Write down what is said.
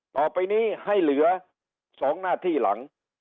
ต่อไปนี้ให้เหลือ๒หน้าที่หลัง